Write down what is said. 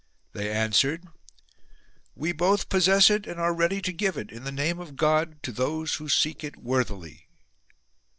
They answered, " We both possess it and are ready to give it, in the name of God, to those who seek it worthily."